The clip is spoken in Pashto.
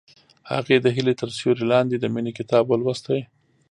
هغې د هیلې تر سیوري لاندې د مینې کتاب ولوست.